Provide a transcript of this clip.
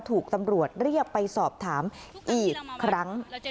ถูกตำรวจเรียกไปสอบถามอีกครั้ง